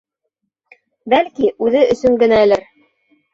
Бәлки, үҙе өсөн генәлер.